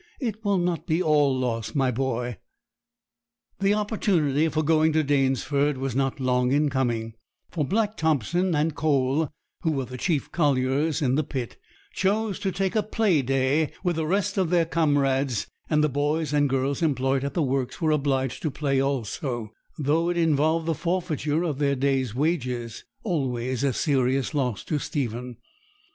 It will not be all loss, my boy.' The opportunity for going to Danesford was not long in coming, for Black Thompson and Cole, who were the chief colliers in the pit, chose to take a 'play day' with the rest of their comrades; and the boys and girls employed at the works were obliged to play also, though it involved the forfeiture of their day's wages always a serious loss to Stephen.